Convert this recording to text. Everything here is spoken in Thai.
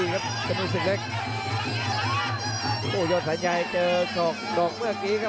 กระโดยสิ้งเล็กนี่ออกกันขาสันเหมือนกันครับ